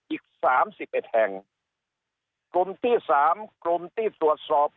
อีกสามสิบเอ็ดแห่งกลุ่มที่สามกลุ่มที่ตรวจสอบ